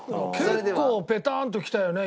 結構ペタンときたよね